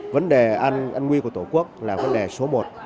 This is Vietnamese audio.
vấn đề an nguy của tổ quốc là vấn đề số một